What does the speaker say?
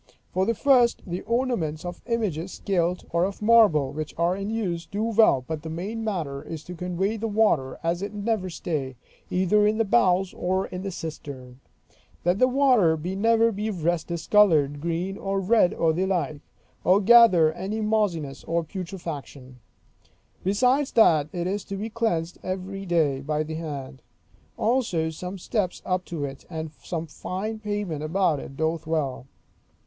For the first, the ornaments of images gilt, or of marble, which are in use, do well: but the main matter is so to convey the water, as it never stay, either in the bowls or in the cistern; that the water be never by rest discolored, green or red or the like; or gather any mossiness or putrefaction. Besides that, it is to be cleansed every day by the hand. Also some steps up to it, and some fine pavement about it, doth well.